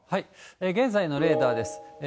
現在のレーダーです。